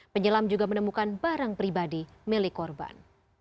penyelam juga menemukan barang pribadi milik korban